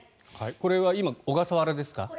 これは今、小笠原ですか。